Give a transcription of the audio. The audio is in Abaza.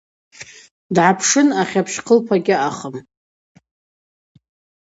Дгӏапшын ахьапщ хъылпа гьаъахым.